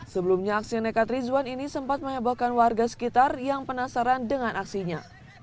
sebelumnya aksi nekat rizwan ini sempat menyebabkan warga sekitar yang penasaran dengan aksinya